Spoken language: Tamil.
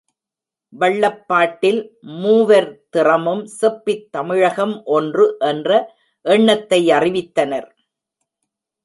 வள்ளைப் பாட்டில் மூவர் திறமும் செப்பித் தமிழகம் ஒன்று என்ற எண்ணத்தை அறிவித்தனர்.